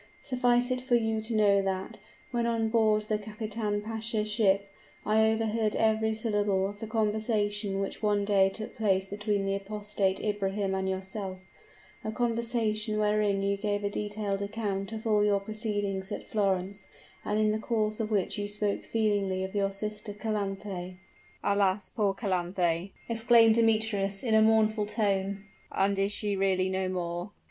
Suffice it for you to know that, when on board the kapitan pasha's ship, I overheard every syllable of the conversation which one day took place between the apostate Ibrahim and yourself, a conversation wherein you gave a detailed account of all your proceedings at Florence, and in the course of which you spoke feelingly of your sister Calanthe." "Alas! poor Calanthe!" exclaimed Demetrius, in a mournful tone; "and is she really no more?"